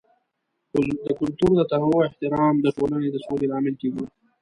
د کلتور د تنوع احترام د ټولنې د سولې لامل کیږي.